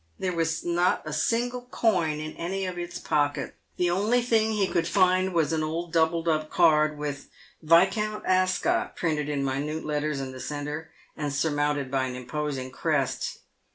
There was not a single coin in any of its pockets. The only thing he could find was an old doubled up card, with " Viscount Ascot" printed in minute letters in the centre and surmounted by an imposing crest.